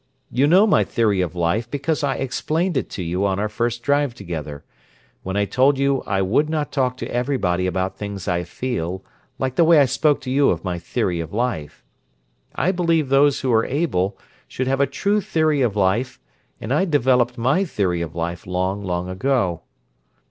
You know my theory of life because I explained it to you on our first drive together, when I told you I would not talk to everybody about things I feel like the way I spoke to you of my theory of life. I believe those who are able should have a true theory of life, and I developed my theory of life long, long ago.